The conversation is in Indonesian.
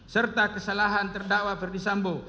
serta kesalahan terdakwa perdisambo